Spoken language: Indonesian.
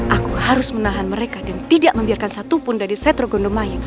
aku harus menahan mereka dan tidak membiarkan satupun dari setrogondo mayang